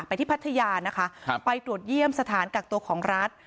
ที่พัทยานะคะไปตรวจเยี่ยมสถานกักตัวของรัฐ